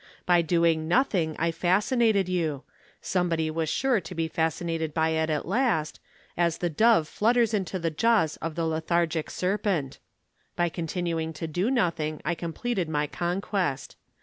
By doing nothing I fascinated you somebody was sure to be fascinated by it at last, as the dove flutters into the jaws of the lethargic serpent by continuing to do nothing I completed my conquest.